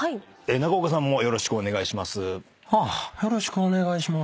中岡さんもよろしくお願いします。